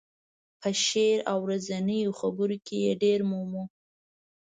په شعر او ورځنیو خبرو کې یې ډېر مومو.